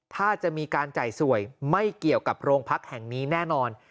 ถ้าจะมีการจ่ายสวยไม่เกี่ยวกับโรงพักแห่งนี้แน่นอน